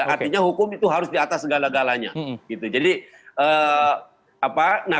artinya hukum itu harus diatas segala galanya